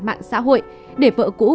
mạng xã hội để vợ cũ